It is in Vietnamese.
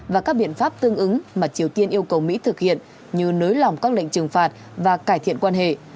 và các biện pháp tương ứng mà triều tiên yêu cầu mỹ thực hiện như nới lỏng các lệnh trừng phạt và cải thiện quan hệ